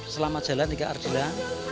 selamat jalan nika ardila